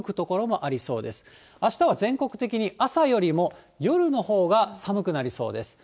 あしたは全国的に朝よりも夜のほうが寒くなりそうです。